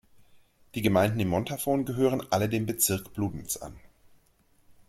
Die Gemeinden im Montafon gehören alle dem Bezirk Bludenz an.